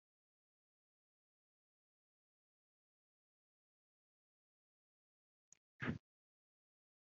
nuko ada abyarira esawu umuhungu